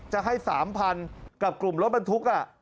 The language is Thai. จะให้๓๐๐๐กับกลุ่มรถบรรทุก